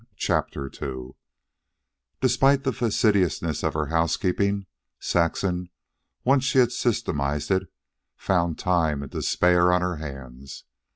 CHAPTER II Despite the fastidiousness of her housekeeping, Saxon, once she had systematized it, found time and to spare on her hands.